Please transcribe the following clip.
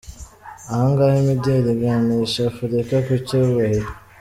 Ahanga imideli iganisha Afurika ku cyubahiro.